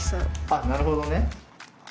あっなるほどね。